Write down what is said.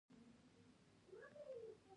نه ټول کتاب.